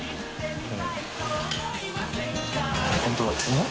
うん？